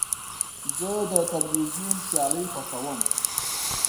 زه د تلویزیون سیالۍ خوښوم.